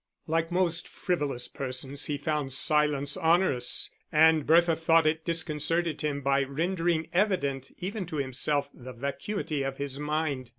Like most frivolous persons he found silence onerous, and Bertha thought it disconcerted him by rendering evident even to himself, the vacuity of his mind.